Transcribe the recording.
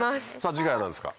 次回は何ですか？